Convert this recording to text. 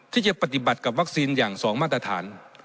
ที่จะปฏิบัติกับวัคซีนอย่าง๒มาตรฐาน